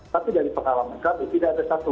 tapi dari pengalaman kami tidak ada satu